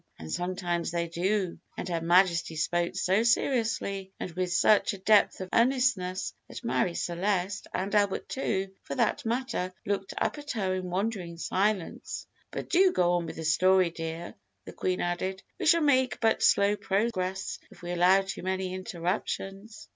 "And sometimes they do and Her Majesty spoke so seriously, and with such a depth of earnestness, that Marie Celeste, and Albert too, for that matter, looked up at her in wondering silence. "But go on with the story, dear," the Queen added; "we shall make but slow progress if we allow too many interruptions."